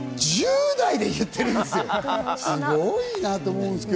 １０代で言っているんですよ。